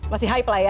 masih hype lah ya